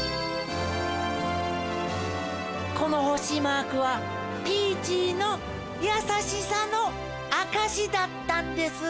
このほしマークはピーチーのやさしさのあかしだったんです。